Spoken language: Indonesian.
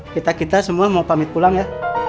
kita kita semua mau pamit pulang ya